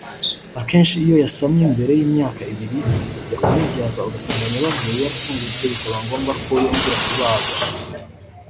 Akenshi iyo yasamye mbere y’imyaka ibiri ujya kumubyaza ugasanga nyababyeyi yarafungutse bikaba ngombwa ko yongera kubagwa